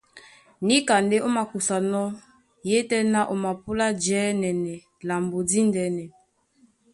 Níka ndé ó makusanɔ́, yétɛ̄ná o mapúlá jɛ́nɛnɛ lambo díndɛ̄nɛ.